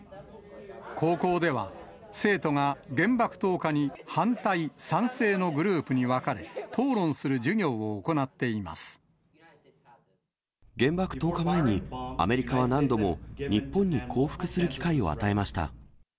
高校では、生徒が原爆投下に反対、賛成のグループに分かれ、討論する授業を原爆投下前に、アメリカは何度も日本に降伏する機会を与えました。